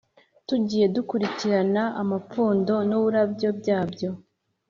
tugiye dukurikirana n’ amapfundo n’ uburabyo byabyo